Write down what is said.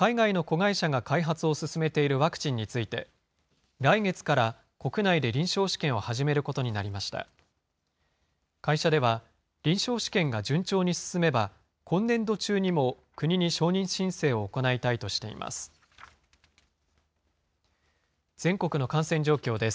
会社では、臨床試験が順調に進めば、今年度中にも国に承認申請を行いたいとしています。